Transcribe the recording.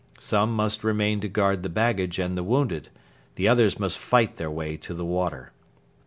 Some must remain to guard the baggage and the wounded; the others must fight their way to the water.